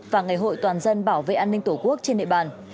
và ngày hội toàn dân bảo vệ an ninh tổ quốc trên địa bàn